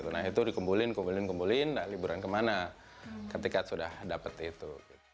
nah itu dikumpulin kumpulin kumpulin liburan kemana ketika sudah dapat itu